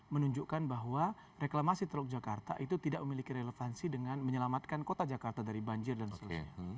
menunjukkan bahwa reklamasi teluk jakarta itu tidak memiliki relevansi dengan menyelamatkan kota jakarta dari banjir dan seterusnya